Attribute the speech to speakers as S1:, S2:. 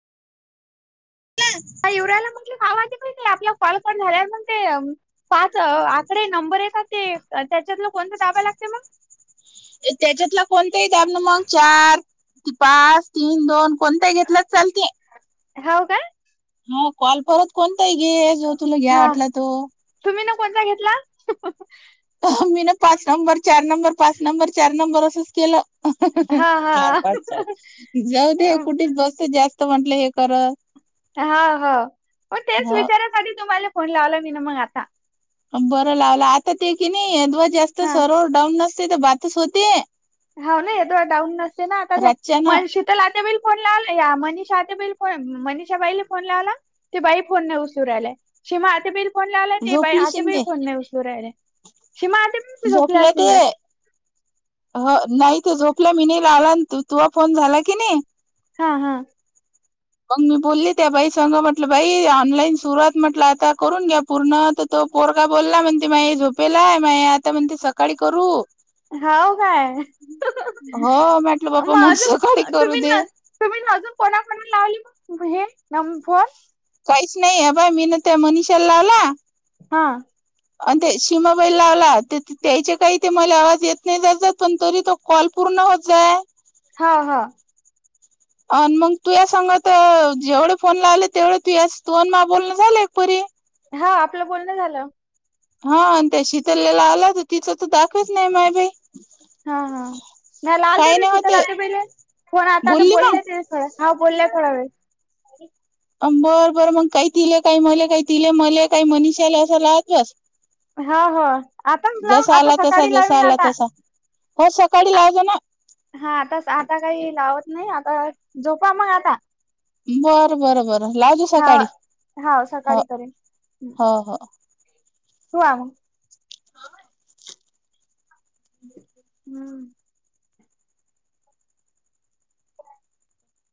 S1: ह [unintelligible]
S2: यवऱ्याला म्हट खवा ते आपला फळ पण झाल्याण ते [inaudible] पाच आकडे नंबर येतात ते त्याच्यातल कोणता दाबाला लागते मग?
S1: त्याच्यातला कोणत ही दाब न मग चार पाच, तीन, दोन, कोणत घेतला चालते.
S2: हाव का.
S1: हो कॉल परत कोणताही घे जो तुला घ्या
S2: हा
S1: वाटला तो
S2: तुम्ही ना कोणता घेतला?
S1: मी ना पाच नंबर, चार नंबर, पाच नंबर, चार नंबर असंच केलं.
S2: हा हा
S1: चार, पाच, चार जाऊ दे.... कुठे बस जास्त म्हटलं हे करत
S2: हा- हा म तेच
S1: हा
S2: विचारासाठी तुम्हाला फोन लावला मी ना मग आता.
S1: बरं लावला आता ते की नाही सर्वर जास्त
S2: हा
S1: डाऊन होतो नसते तर बात तच होते.
S2: हा ना या दो डाऊन नसते ना आता त्या
S1: रातच्या ना
S2: मणशी त्याला आतबाईल फोन लावला ह्या मनीषा आत्याबाईला फो- मनीषाबाईला फोन लावला लावला. ते बाई फोन न उचलू राहिलीय, शिमा आता ब फोन लावला ते बाई
S1: झोपली
S2: आत्याबाई
S1: शिंदे
S2: फोन नाही उचलू राहिल्या, शीमा आत्या पण झोपल्या असतील का.
S1: हो नाही तर झोपल्या मिनीला आला ना तू तु फोन झाला की नाही.
S2: हा- हा
S1: मग मी बोलली त्या बाई सग, म्हटलं बाई ऑनलाईन सुरु आहेत, तर म्हटलं आता करून घ्या पूर्ण तो पोरगा बोलला म्हणते माई झोपेल आहे. माय आता म्हणते सकाळी करू
S2: हाव काय?
S1: हो म्हंटल बाप्पा मग सकाळी
S2: अजून
S1: करू
S2: तुम्ही
S1: दे.
S2: ना तुम्ही अजुन कोणा कोणाला लावली मग हे नंब फोन?
S1: काहीच नाही हे बा मी न त्या मनीषा ला लावला.
S2: हा,
S1: अन् ते सीमाबाईला लावला. त्याच त्यायचे काही ते मले आवाज येत नाही. [unintelligible] पण तरी तो कॉल पुर्ण होत जाये.
S2: हं हं,
S1: अ मग तुया संग त जेवढे फोन लावले तेवढे तुयाच तुयन मा बोलण झालं परी.
S2: हा आपलं बोलण झालं.
S1: हा अन ते शितल ले लावला त तिचं त दाखवेस नाही मायबाई
S2: हा- हा, नाही लाल दे
S1: नाही
S2: शितल
S1: होते
S2: आत्याबाईले फोन आलता
S1: बोलली मग
S2: बोलले ते हो हा बोलल्या थोडया वेळ.
S1: अम्बर बरं मग काही तिले काही मले काही तिले मले काही मनीषाले असं लावाची होस.
S2: हा हा,
S1: जसा आला तसा जसा आला तसा, हो सकाळी
S2: आ-
S1: लावजो न.
S2: हा आताच आता काही लावत नाही. आता झोपा मग आता.
S1: बरं बरं बरं लावजो
S2: हा.
S1: सकाळी
S2: हाव
S1: हो,
S2: सकाळी करेन
S1: हो हो.
S2: ठूवा मग. हम्म,